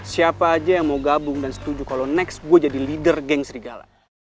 siapa aja yang mau gabung dan setuju kalau next gue jadi leader geng serigala